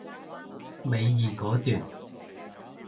尾二嗰段